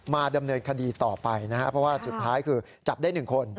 ดำเนินคดีต่อไปนะครับเพราะว่าสุดท้ายคือจับได้๑คน